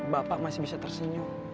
bapak masih bisa tersenyum